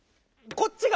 こっちは？